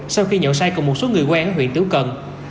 sau khi nhậu say cùng một số người quen ở huyện tứ cần